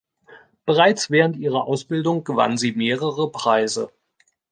Bereits während ihrer Ausbildung gewann sie mehrere Preise.